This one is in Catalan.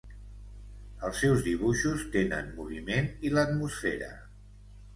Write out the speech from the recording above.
Els seus dibuixos tenen moviment i l'atmosfera.